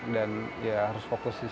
dan ya harus fokus di situ sih